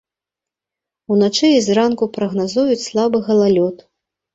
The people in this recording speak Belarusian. Уначы і зранку прагназуюць слабы галалёд.